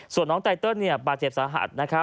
ส่วนน้องตายเติ้ลบาดเจ็บสะหัด